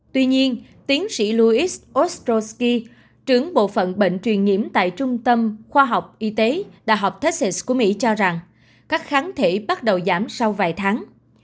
tuy nhiên tiến sĩ louis ostrowski trưởng bộ phận bệnh truyền nhiễm tại trung tâm khoa học y tế đh texas của mỹ cho rằng các kháng thị bắt đầu giảm sau vài tháng